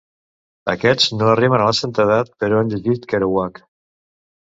Aquests no arriben a la santedat però han llegit Kerouac.